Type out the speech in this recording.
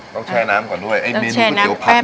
ต้องแช่น้ำก่อนด้วยต้องแช่น้ำแคบนิ้วก๋วยเตี๋ยวผัด